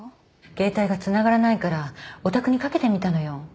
携帯がつながらないからお宅にかけてみたのよ。